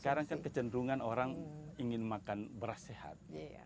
sekarang kan kecenderungan orang ingin makan beras sehat